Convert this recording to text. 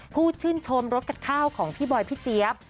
ชื่นชมรถกับข้าวของพี่บอยพี่เจี๊ยบ